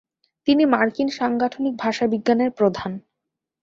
তিনি মার্কিন সাংগঠনিক ভাষাবিজ্ঞানের প্রধান।